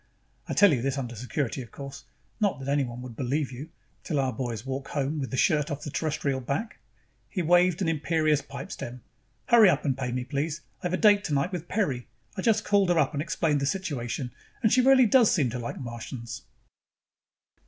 I tell you this under security, of course not that anyone would believe you, till our boys walk home with the shirt off the Terrestrial back." He waved an imperious pipe stem. "Hurry up and pay me, please. I've a date tonight with Peri. I just called her up and explained the situation and she really does seem to like Martians."